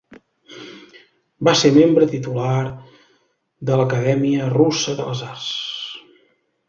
Va ser membre titular de l'Acadèmia Russa de les Arts.